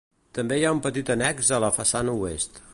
També hi ha un petit annex a la façana oest.